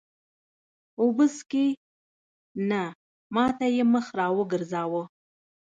اوبه څښې؟ نه، ما ته یې مخ را وګرځاوه.